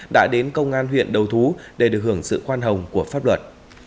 đã đến công an huyện đầu thú để được hưởng sự khoan hồng của pháp luật